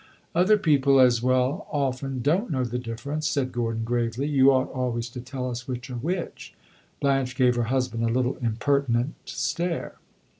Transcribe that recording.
"Other people as well often don't know the difference," said Gordon, gravely. "You ought always to tell us which are which." Blanche gave her husband a little impertinent stare.